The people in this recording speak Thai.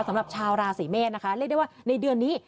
สำหรับชาวราศีเมษนะคะเรียกได้ว่าในเดือนนี้